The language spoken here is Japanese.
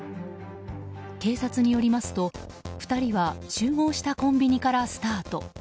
警察によりますと２人は集合したコンビニからスタート。